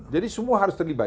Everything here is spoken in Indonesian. jadi semua harus terlibat